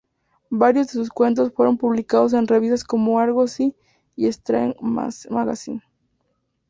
Varios de sus cuentos fueron publicados en revistas como "Argosy" y "Strand Magazine".